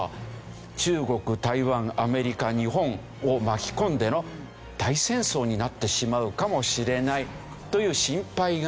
中国台湾アメリカ日本を巻き込んでの大戦争になってしまうかもしれないという心配がある。